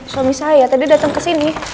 suami saya tadi datang kesini